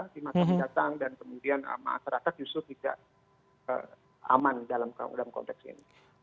di masa mendatang dan kemudian masyarakat justru tidak aman dalam konteks ini